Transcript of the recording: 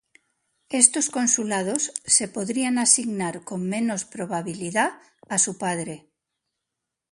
Estos consulados se podrían asignar con menos probabilidad a su padre.